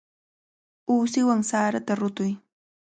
Uusiwan sarata rutuy.